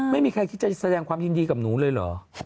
ไม่มีใครคิดจะแสดงความยินดีกับหนูเลยเหรอ